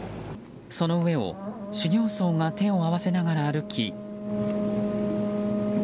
その上を、修行僧が手を合わせながら歩き。